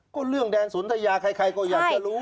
ก็เรื่องแดนสนทยาใครก็อยากจะรู้